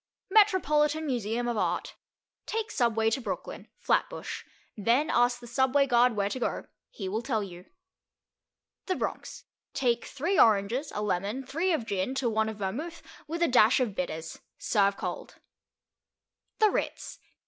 Metropolitan Museum of Art. Take Subway to Brooklyn. (Flatbush.) Then ask the subway guard where to go; he will tell you. The Bronx. Take three oranges, a lemon, three of gin, to one of vermouth, with a dash of bitters. Serve cold. The Ritz.